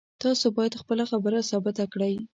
تاسو باید خپله خبره ثابته کړئ